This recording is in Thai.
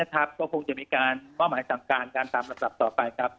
ก็คงจะมีการเป้าหมายสั่งการกันตามลำดับต่อไปครับ